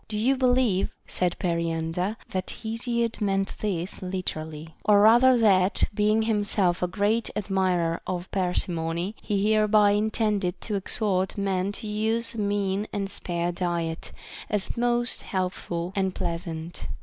* Do you believe, said Periander, that Hesiod meant this literally ; or rather that, being himself a great admirer of parsimony, he hereby in tended to exhort men to use a mean and spare diet, as most healthful and pleasant?